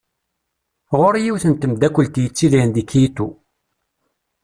Ɣur-i yiwet n tmeddakelt yettidiren deg Kyito.